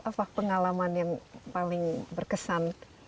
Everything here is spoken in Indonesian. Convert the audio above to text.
apa pengalaman yang paling berkesan